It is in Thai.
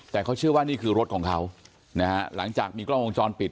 แต่เขาเชื่อว่านี่คือรถของเขานะฮะหลังจากมีกล้องวงจรปิด